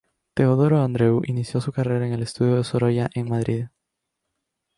Teodoro Andreu inició su carrera en el estudio de Sorolla en Madrid.